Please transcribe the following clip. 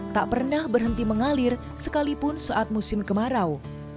tak pernah berhenti mengalir sekalipun saat musim kemarau